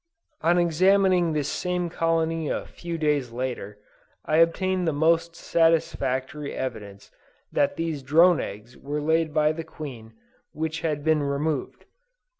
On examining this same colony a few days later, I obtained the most satisfactory evidence that these drone eggs were laid by the Queen which had been removed.